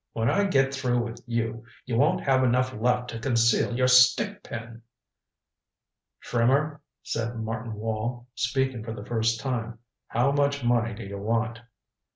When I get through with you you won't have enough left to conceal your stick pin." "Trimmer," said Martin Wall, speaking for the first time, "how much money do you want?"